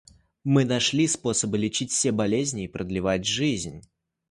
Мы нашли способы лечить все болезни и продлевать жизнь.